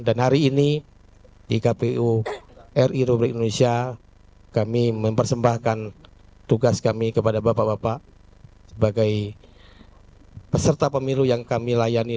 dan hari ini di kpu ri rubrik indonesia kami mempersembahkan tugas kami kepada bapak bapak sebagai peserta pemilu yang kami layani